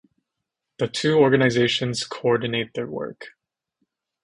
The two organisations co-ordinate their work.